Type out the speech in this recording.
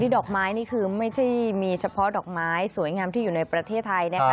ดอกไม้นี่คือไม่ใช่มีเฉพาะดอกไม้สวยงามที่อยู่ในประเทศไทยนะคะ